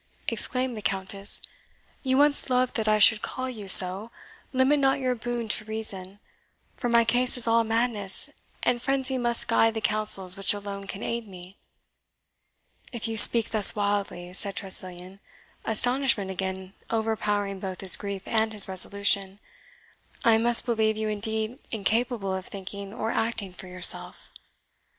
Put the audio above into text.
exclaimed the Countess "you once loved that I should call you so limit not your boon to reason; for my case is all madness, and frenzy must guide the counsels which alone can aid me." "If you speak thus wildly," said Tressilian, astonishment again overpowering both his grief and his resolution, "I must believe you indeed incapable of thinking or acting for yourself."